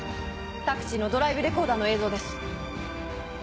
タクシーのドライブレコーダーの映像です。